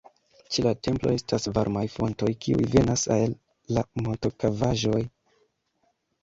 Ĉe la templo estas varmaj fontoj kiuj venas el la montokavaĵoj.